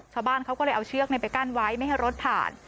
ชาวบ้านเขาก็เลยเอาเชือกไปกั้นไว้ไม่ให้รถผ่าน